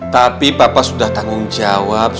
tapi bapak sudah tanggung jawab